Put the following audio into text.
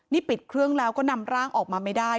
นี่ปิดเครื่องแล้วก็นำร่างออกมาไม่ได้